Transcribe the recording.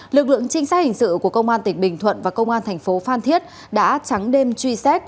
lực lượng trinh sát hình sự của công an tỉnh bình thuận và công an thành phố phan thiết đã trắng đêm truy xét